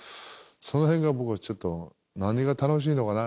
そのへんが僕ちょっと何が楽しいのかな？